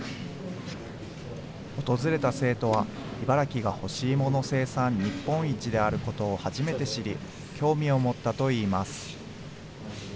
訪れた生徒は、茨城が干しいもの生産日本一であることを初めて知り、興味を持ったといいます。